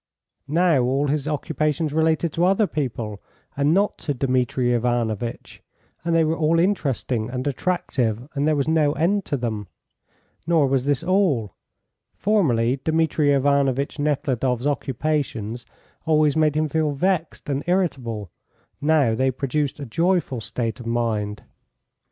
Now all his occupations related to other people and not to Dmitri Ivanovitch, and they were all interesting and attractive, and there was no end to them. Nor was this all. Formerly Dmitri Ivanovitch Nekhludoff's occupations always made him feel vexed and irritable; now they produced a joyful state of mind.